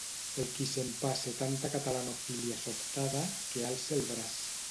El qui s'empasse tanta catalanofília sobtada, que alce el braç.